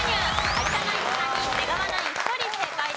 有田ナイン３人出川ナイン１人正解です。